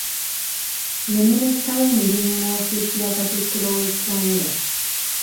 Ye minista w'emirimu mu offisi ya Kattikiro w'egwanga